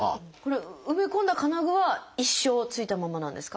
埋め込んだ金具は一生ついたままなんですか？